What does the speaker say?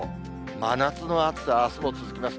真夏の暑さあすも続きます。